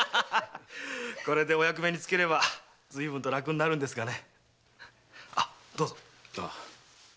これでお役目に就ければ随分と楽になるんですがね。